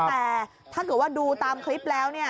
แต่ถ้าเกิดว่าดูตามคลิปแล้วเนี่ย